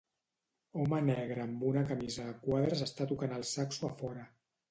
Home negre amb una camisa de quadres està tocant el saxo a fora.